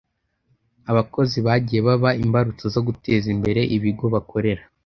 abakozi bagiye baba imbarutso zo guteza imbere ibigo bakorera